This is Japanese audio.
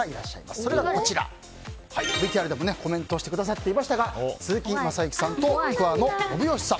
それが、ＶＴＲでもコメントしてくださった鈴木雅之さんと桑野信義さん。